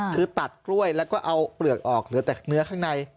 คือตัดกล้วยแล้วก็เอาเปลือกออกเหลือแต่เนื้อข้างใน